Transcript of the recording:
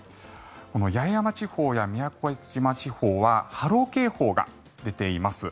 八重山地方や宮古島地方は波浪警報が出ています。